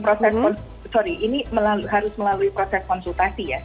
tapi tentu ini harus melalui proses konsultasi ya